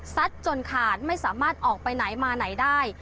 จนขาดไม่สามารถออกไปไหนมาไหนได้